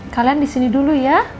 kalian disini dulu ya